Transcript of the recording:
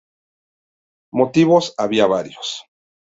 Motivos había varios.